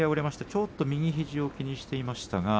ちょっと右肘を気にしていました。